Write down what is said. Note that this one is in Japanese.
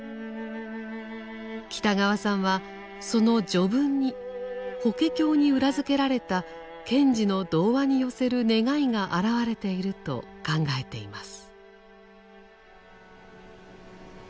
北川さんはその序文に「法華経」に裏付けられた賢治の童話に寄せる願いがあらわれていると考えています。